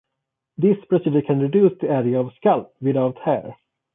This procedure can reduce the area of the scalp without hair.